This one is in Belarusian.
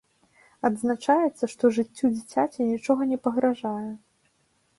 Адзначаецца, што жыццю дзіцяці нічога не пагражае.